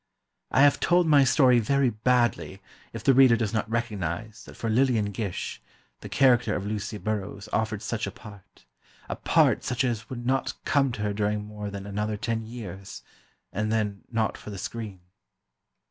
I have told my story very badly if the reader does not recognize that for Lillian Gish, the character of Lucy Burrows offered such a part: a part such as would not come to her during more than another ten years, and then, not for the screen.